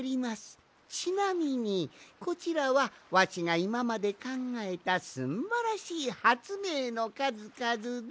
ちなみにこちらはわしがいままでかんがえたすんばらしいはつめいのかずかずで。